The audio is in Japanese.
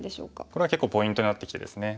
これは結構ポイントになってきてですね。